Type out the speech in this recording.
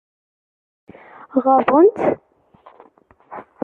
Ɣaḍen-tt?